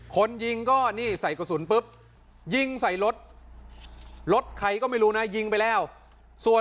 คนยิงก็นี่ใส่กระสุนปุ๊บยิงใส่รถรถใครก็ไม่รู้นะยิงไปแล้วส่วน